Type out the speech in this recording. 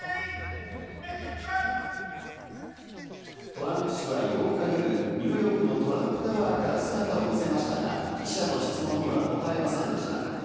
トランプ氏は８日夜、ニューヨークのトランプタワーから姿を見せましたが、記者の質問には答えませんでした。